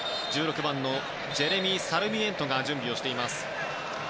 １６番のジェレミー・サルミエントが準備しています。